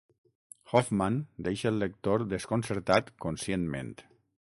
Hoffman deixa el lector desconcertat conscientment.